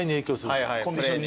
コンディションに。